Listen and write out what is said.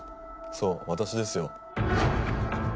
そう私ですよ。